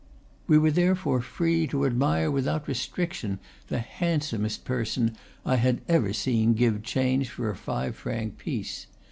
We were there fore feee to admire without restriction the handsomest person I had ever seen give change for a five franc piece.